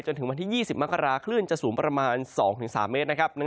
จนถึงวันที่๒๐มกราคลื่นจะสูงประมาณ๒๓เมตรนะครับ